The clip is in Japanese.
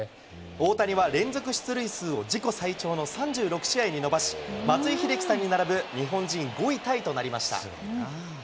大谷は連続出塁数を自己最長の３６試合に伸ばし、松井秀喜さんに並ぶ日本人５位タイとなりました。